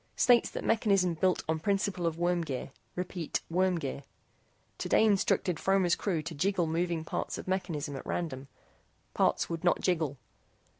STATES THAT MECHANISM BUILT ON PRINCIPLE OF WORM GEAR. REPEAT. WORM GEAR. TODAY INSTRUCTED FROMER'S CREW TO JIGGLE MOVING PARTS OF MECHANISM AT RANDOM. PARTS WOULD NOT JIGGLE.